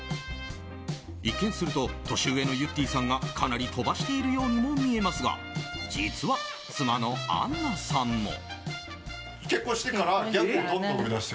一見すると年上のゆってぃさんがかなり飛ばしているようにも見えますが実は妻のあんなさんも。